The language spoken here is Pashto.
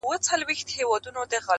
یوه قلا ده ورته یادي افسانې دي ډیري٫